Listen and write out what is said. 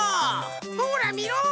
ほらみろ！